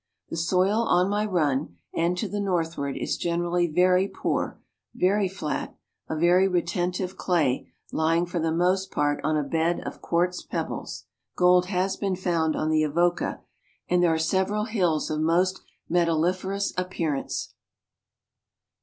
The soil on my run and to the northward is generally very poor, very flat, a very retentive clay lying for the most part on a bed of quartz pebbles. Gold has been found on the Ayoca, and there are several hills of most metalli ferous appearance.